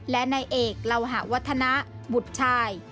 และนายเอกลาวหาวัฒนะบุตรชาย